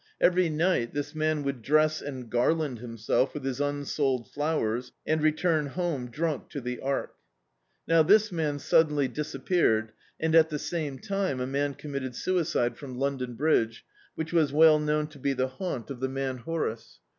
Every nig^t this man would dress and garland himself with his imsold flowers, and return hrane dnmk to the Ark. Now, this man suddenly disappeared, and, at the same time, a man committed suicide from Lond(m Bridge, which was well known to be the haunt of the man Horace.